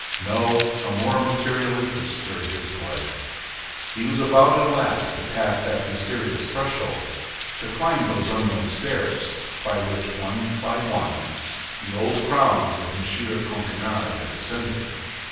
No; a more material interest stirred his blood. He was about at last to pass that mysterious threshold, to climb those unknown stairs by which, one by one, the old crowns of M. Coquenard had ascended.